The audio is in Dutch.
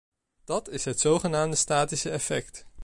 Dat is het zogenaamde statistisch effect.